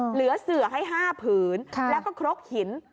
เหลือเสือกให้ห้าผืนแล้วก็เคราะห์หิน